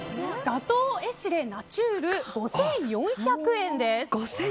ガトー・エシレナチュール５４００円です。